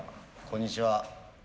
こんにちは。